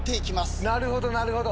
なるほどなるほど。